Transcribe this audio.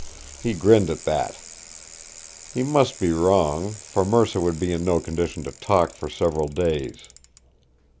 He grinned at that. He must be wrong, for Mercer would be in no condition to talk for several days.